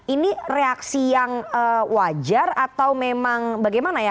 ini reaksi yang wajar atau memang bagaimana ya